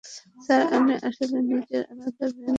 Sir, আমি আসলে, নিজের আলাদা ব্যান্ড খোলতে যাচ্ছি।